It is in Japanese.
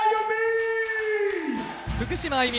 福島あゆみ